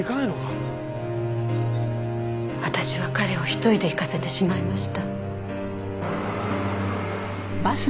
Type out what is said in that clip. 私は彼を１人で行かせてしまいました。